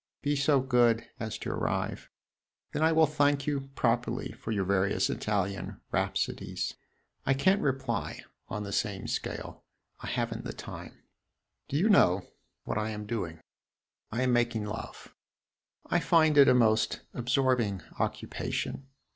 Be so good as to arrive. Then I will thank you properly for your various Italian rhapsodies. I can't reply on the same scale I have n't the time. Do you know what I am doing? I am making love. I find it a most absorbing occupation.